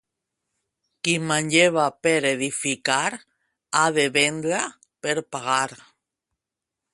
Qui manlleva per edificar, ha de vendre per pagar.